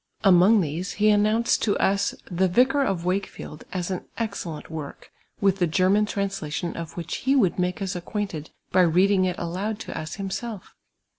Amon^ these he announced to us the / iciir of 1l'iiJ:r/ii'l(l as an excelhnt work, witli the Gennan translation of which he would make us acquainted by reading it aloud to us himself.